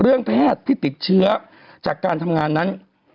แพทย์ที่ติดเชื้อจากการทำงานนั้น